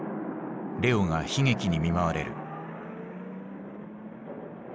レオが悲劇に見舞われる。